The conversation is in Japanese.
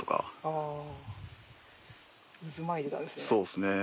そうっすね。